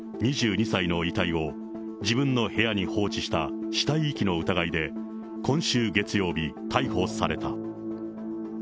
２２歳の遺体を自分の部屋に放置した死体遺棄の疑いで、今週月曜日、逮捕された。